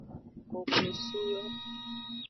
Koklosu yo.